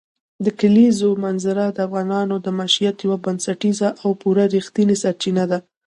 د کلیزو منظره د افغانانو د معیشت یوه بنسټیزه او پوره رښتینې سرچینه ده.